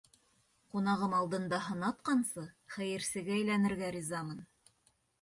Ҡунағым алдында һынатҡансы, хәйерсегә әйләнергә ризамын.